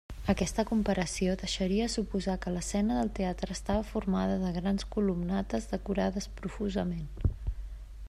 Aquesta comparació deixaria suposar que l'escena del teatre estava formada de grans columnates decorades profusament.